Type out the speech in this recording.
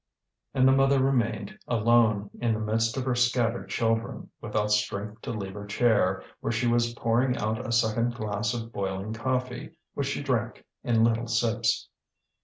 And the mother remained alone, in the midst of her scattered children, without strength to leave her chair, where she was pouring out a second glass of boiling coffee, which she drank in little sips.